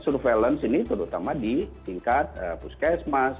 surveillance ini terutama di tingkat puskesmas